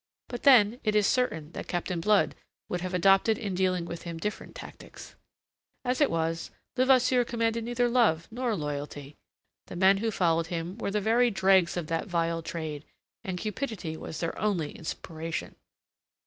But, then, it is certain that Captain Blood would have adopted in dealing with him different tactics. As it was, Levasseur commanded neither love nor loyalty. The men who followed him were the very dregs of that vile trade, and cupidity was their only inspiration.